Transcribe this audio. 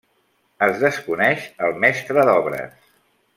Es desconeix el mestre d'obres.